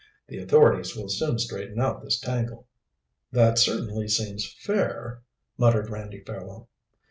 The authorities will soon straighten out this tangle." "That certainly seems fair," muttered Randy Fairwell.